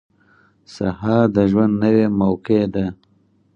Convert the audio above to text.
• سهار د ژوند نوې موقع ده.